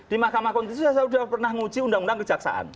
di mahkamah konstitusi saya sudah pernah menguji undang undang kejaksaan